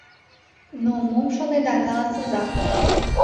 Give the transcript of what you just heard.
Но, мом шонеда, каласыза.